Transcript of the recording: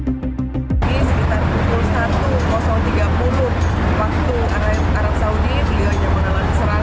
di sekitar pukul satu tiga puluh waktu arab saudi dia menalami serangan